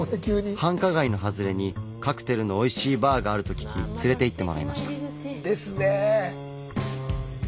繁華街の外れにカクテルのおいしいバーがあると聞き連れて行ってもらいました。